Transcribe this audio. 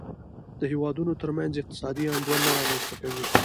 د هېوادونو ترمنځ اقتصادي انډول نه رامنځته کوي.